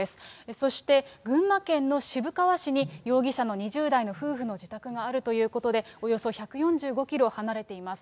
そして、群馬県の渋川市に容疑者の２０代の夫婦の自宅があるということで、およそ１４５キロ離れています。